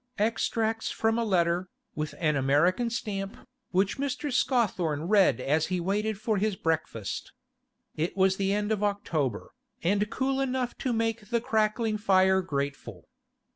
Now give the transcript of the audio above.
Extracts from a letter, with an American stamp, which Mr. Scawthorne read as he waited for his breakfast. It was the end of October, and cool enough to make the crackling fire grateful.